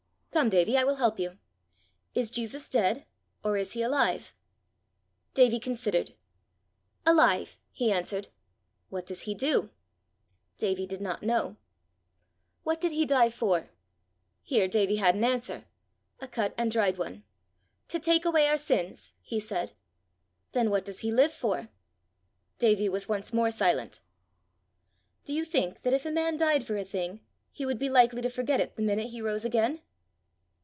"Come, Davie, I will help you: is Jesus dead, or is he alive?" Davie considered. "Alive," he answered. "What does he do?" Davie did not know. "What did he die for?" Here Davie had an answer a cut and dried one: "To take away our sins," he said. "Then what does he live for?" Davie was once more silent. "Do you think if a man died for a thing, he would be likely to forget it the minute he rose again?"